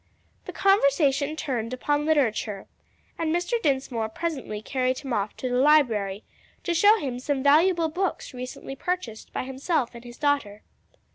The conversation turned upon literature, and Mr. Dinsmore presently carried him off to the library to show him some valuable books recently purchased by himself and his daughter.